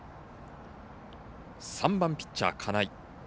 ３番ピッチャー、金井。